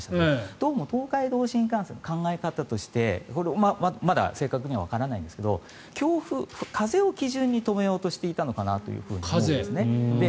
どうも東海道新幹線の考え方としてまだ正確にはわからないんですが風を基準に止めようとしていたんだと思いますね。